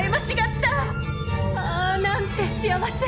ああなんて幸せ！